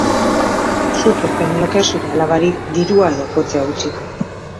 Zuk ez zenioke zure alaba, dirua ala kotxea utziko.